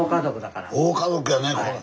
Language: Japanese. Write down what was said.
大家族やねこれ。